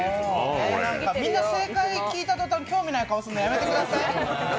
みんな正解聞いた途端、興味ない顔するのやめてください。